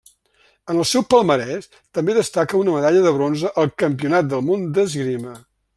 En el seu palmarès també destaca una medalla de bronze al campionat del món d'esgrima.